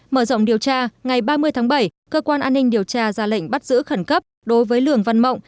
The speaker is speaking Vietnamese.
mở rộng điều tra ngày ba mươi tháng bảy cơ quan an ninh điều tra ra lệnh bắt giữ khẩn cấp đối với lường văn mộng